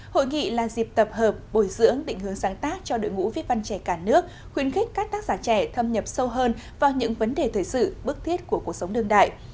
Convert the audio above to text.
hội nghị là dịp tập hợp bồi dưỡng định hướng sáng tác cho đội ngũ viết văn trẻ cả nước khuyến khích các tác giả trẻ thâm nhập sâu hơn vào những vấn đề thời sự bức thiết của cuộc sống đương đại